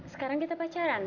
sekarang kita pacaran